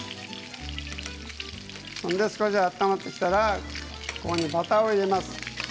少し温まってきたらここにバターを入れます。